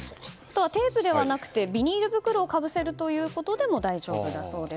テープではなく、ビニール袋をかぶせるということでも大丈夫だそうです。